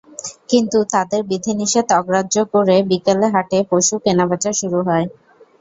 কিন্তু তাঁদের বিধিনিষেধ অগ্রাহ্য করে বিকেলে হাটে পশু কেনাবেচা শুরু হয়।